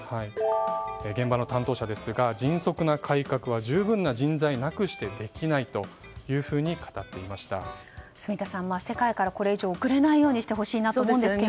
現場の担当者ですが迅速な改革は十分な人材なくしてできないと住田さん、世界からこれ以上遅れないようにしてほしいなと思うんですが。